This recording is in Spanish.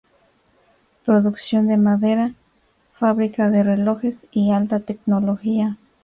Producción de madera, fábrica de relojes y alta tecnología.